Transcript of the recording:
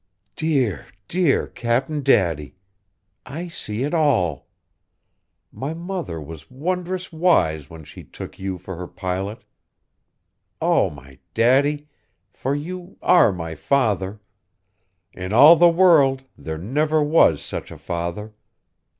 "Dear, dear Cap'n Daddy! I see it all. My mother was wondrous wise when she took you for her pilot. Oh! my Daddy for you are my father. In all the world there never was such a father!